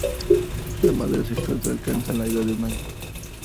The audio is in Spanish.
La madurez sexual se alcanza a la edad de un año.